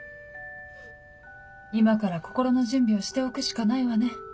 今から心の準備をしておくしかないわね。